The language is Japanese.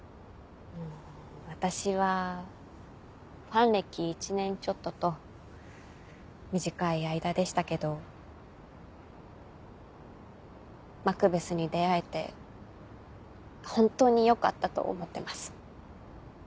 私はファン歴１年ちょっとと短い間でしたけどマクベスに出会えて本当によかったと思ってます。